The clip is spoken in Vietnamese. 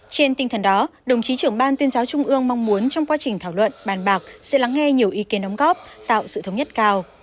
trên tinh thần đó đồng chí trưởng ban tuyên giáo trung ương mong muốn trong quá trình thảo luận bàn bạc sẽ lắng nghe nhiều ý kiến đóng góp tạo sự thống nhất cao